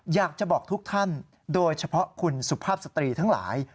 อยากจะบอกทุกท่านโดยเฉพาะคุณสุภาพสตรีทั้งหลาย